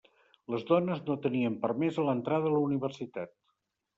Les dones no tenien permesa l'entrada a la Universitat.